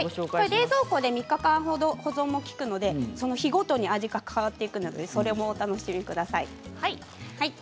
冷蔵庫で３日間程保存も利くので日ごとに味が変わっていくのでそれもお楽しみください。